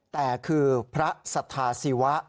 แต่คือพระสัทธาศิวะ